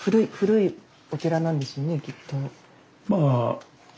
きっと。